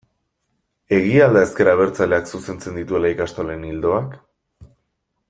Egia al da ezker abertzaleak zuzentzen dituela ikastolen ildoak?